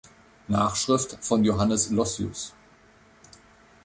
Nachschrift von Johannes Lossius.